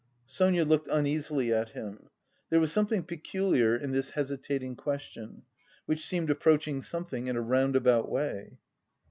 Sonia looked uneasily at him. There was something peculiar in this hesitating question, which seemed approaching something in a roundabout way.